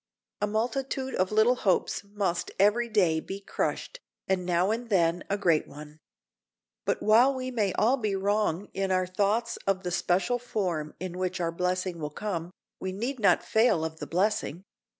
A multitude of little hopes must every day be crushed, and now and then a great one. But while we may be all wrong in our thoughts of the special form in which our blessing will come, we need not fail of the blessing.